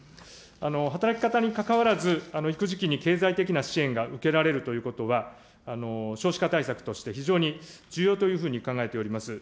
働き方にかかわらず、育児期に経済的な支援が受けられるということは、少子化対策として非常に重要というふうに考えております。